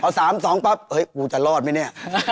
ผมสามสองแป๊บเฮ้ยกูจะรอดไม่เนี่ย